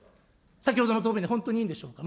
先ほどの答弁で本当にいいんでしょうか。